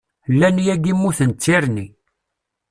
Llan yagi mmuten d tirni.